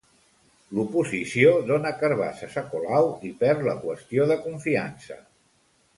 L'oposició dona carbasses a Colau i perd la qüestió de confiança.